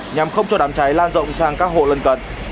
nhằm không cho đám cháy lan rộng sang các hộ lân cận